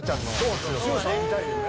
強さを見たいよね。